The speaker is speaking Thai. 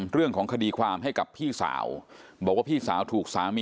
คือสิ่งที่เราติดตามคือสิ่งที่เราติดตาม